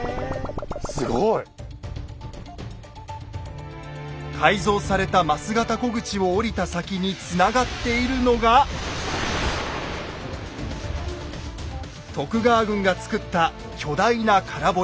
すごい！改造された枡形虎口を下りた先につながっているのが徳川軍が造った巨大な空堀です。